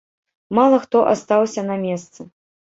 Мала хто астаўся на месцы.